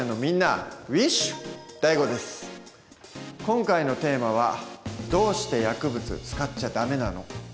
今回のテーマは「どうして薬物使っちゃダメなの？」。